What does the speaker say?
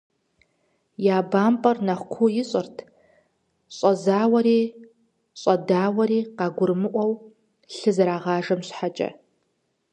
Я бампӀэр нэхъ куу ищӀырт щӀэзауэри щӀэдауэри къагурымыӀуэу лъы зэрагъажэм щхьэкӏэ.